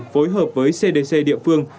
phối hợp với cdc địa phương